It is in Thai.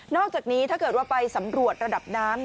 อกจากนี้ถ้าเกิดว่าไปสำรวจระดับน้ำ